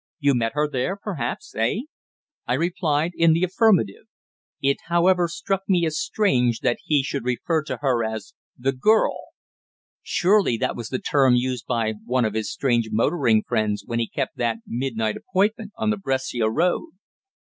You met her there, perhaps eh?" I replied in the affirmative. It, however, struck me as strange that he should refer to her as "the girl." Surely that was the term used by one of his strange motoring friends when he kept that midnight appointment on the Brescia road.